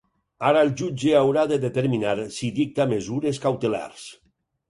Ara el jutge haurà de determinar si dicta mesures cautelars.